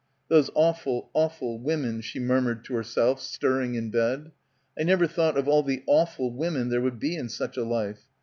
... Those awful, awful women, she murmured to herself, stirring in bed. I never thought of all the awful women there would be in such a life.